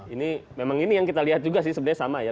ini memang ini yang kita lihat juga sih sebenarnya sama ya